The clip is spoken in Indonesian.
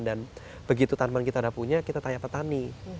dan begitu tanaman kita udah punya kita tanya petani